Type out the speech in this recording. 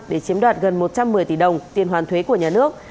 để chiếm đoạt gần một trăm một mươi tỷ đồng tiền hoàn thuế của nhà nước